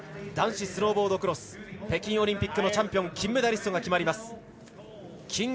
男子スノーボードクロス北京オリンピックのチャンピオンが決まります。